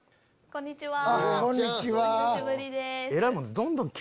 こんちは。